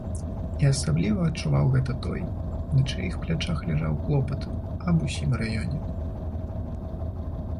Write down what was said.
І асабліва адчуваў гэта той, на чыіх плячах ляжаў клопат аб усім раёне.